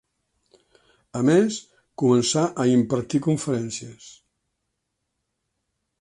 A més, començà a impartir conferències.